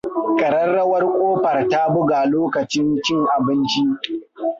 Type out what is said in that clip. Ƙararrawar ƙofar ta buga lokacin cin abinci.